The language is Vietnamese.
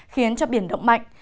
khiến cho biển động mạnh